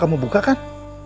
kamu buka kan